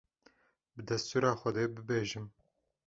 bi destûra Xwedê bibêjim